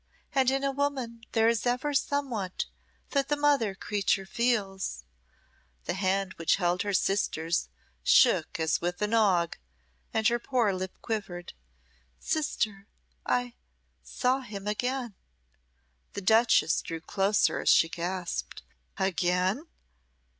"And in a woman there is ever somewhat that the mother creature feels" the hand which held her sister's shook as with an ague, and her poor lip quivered "Sister, I saw him again!" The duchess drew closer as she gasped, "Again!"